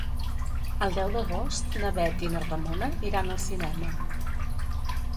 El deu d'agost na Bet i na Ramona iran al cinema.